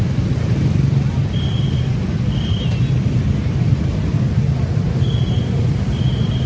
เมื่อเวลาเกิดขึ้นมันกลายเป้าหมาย